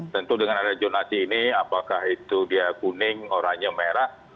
tentu dengan ada jonasi ini apakah itu dia kuning oranye merah